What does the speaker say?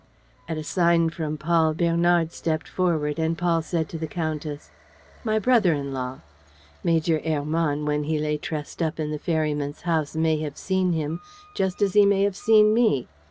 At a sign from Paul, Bernard stepped forward and Paul said to the countess: "My brother in law. Major Hermann, when he lay trussed up in the ferryman's house, may have seen him, just as he may have seen me.